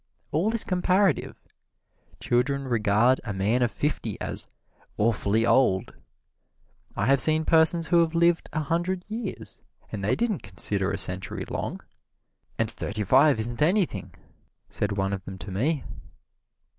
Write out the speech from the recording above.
All is comparative children regard a man of fifty as "awful old." I have seen several persons who have lived a hundred years, and they didn't consider a century long, "and thirty five isn't anything," said one of them to me.